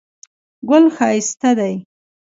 ګل ښایسته دی